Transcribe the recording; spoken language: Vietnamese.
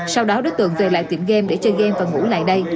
sau đó đối tượng về lại tiệm game để chơi game và ngủ lại đây